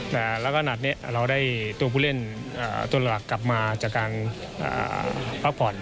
แล้วก็นัดนี้เราได้ตัวผู้เล่นตัวหลักกลับมาจากการพักผ่อน